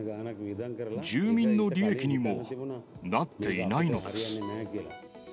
住民の利益にもなっていないのです。